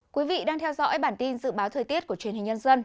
quý vị đang theo dõi bản tin dự báo thời tiết của truyền hình nhân dân